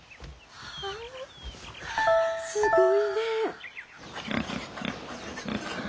すごいねえ。